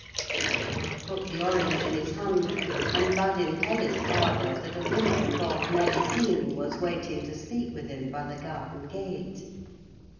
I put the orange in his hand, and bade him tell his father that a woman called Nelly Dean was waiting to speak with him, by the garden gate.